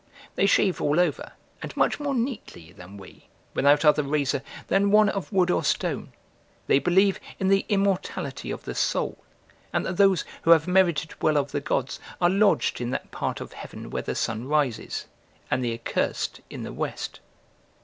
They shave all over, and much more neatly than we, without other razor than one of wood or stone. They believe in the immortality of the soul, and that those who have merited well of the gods are lodged in that part of heaven where the sun rises, and the accursed in the west.